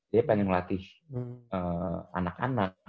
dia pengen ngelatih anak anak